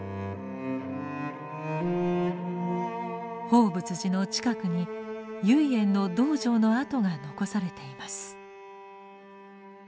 報佛寺の近くに唯円の道場の跡が残されています。